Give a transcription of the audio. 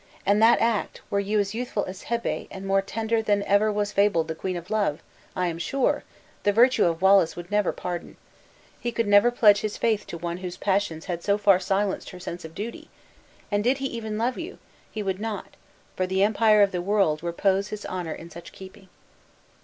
And that act, were you youthful as Hebe, and more tender than ever was fabled the queen of love, I am sure, the virtue of Wallace would never pardon. He never could pledge his faith to one whose passions had so far silenced her sense of duty; and did he even love you, he would not, for the empire of the world, repose his honor in such keeping."